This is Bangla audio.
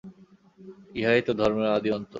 ইহাই তো ধর্মের আদি অন্ত।